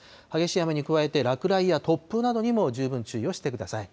激しい雨に加えて、落雷や突風などにも十分注意をしてください。